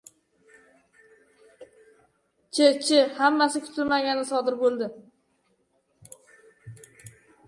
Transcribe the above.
ChCh: Hammasi kutilmaganda sodir bo‘ldi.